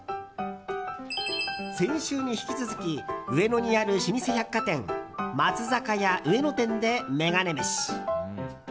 先週に引き続き上野にある老舗百貨店松坂屋上野店でメガネ飯。